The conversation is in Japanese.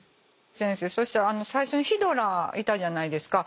先生そしたら最初にヒドラいたじゃないですか。